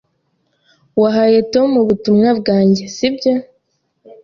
Wahaye Tom ubutumwa bwanjye, sibyo?